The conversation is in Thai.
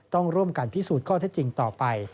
ต้องร่วมกันพิสูจน์ข้อเท็จจริงต่อไป